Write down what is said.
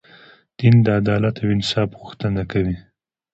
دین د عدالت او انصاف غوښتنه کوي.